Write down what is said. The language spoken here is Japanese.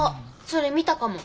それ見たかも？